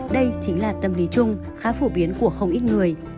đây chính là tâm lý chung khá phổ biến của không ít người